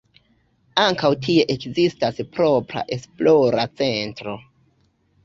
Ankaŭ tie ekzistas propra esplora centro.